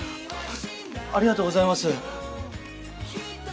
ありがとうございます！